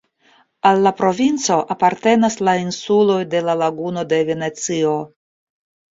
Al la provinco apartenas la insuloj de la Laguno de Venecio.